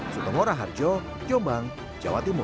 sutomora harjo jombang jawa timur